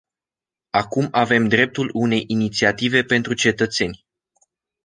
Acum avem dreptul unei inițiative pentru cetățeni.